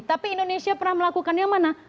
tapi indonesia pernah melakukan yang mana